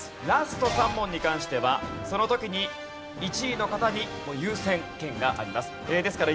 ラスト３問に関してはその時に１位の方に優先権があります。